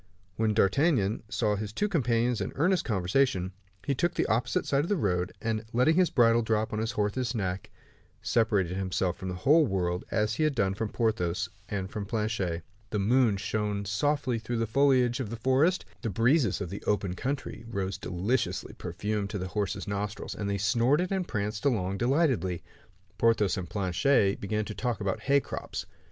When D'Artagnan saw his two companions in earnest conversation, he took the opposite side of the road, and letting his bridle drop upon his horse's neck, separated himself from the whole world, as he had done from Porthos and from Planchet. The moon shone softly through the foliage of the forest. The breezes of the open country rose deliciously perfumed to the horse's nostrils, and they snorted and pranced along delightedly. Porthos and Planchet began to talk about hay crops.